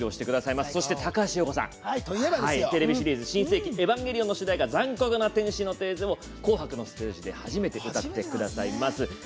また高橋洋子さんがテレビシリーズ「新世紀エヴァンゲリオン」の主題歌である「残酷な天使のテーゼ」を「紅白」のステージで初めて歌います。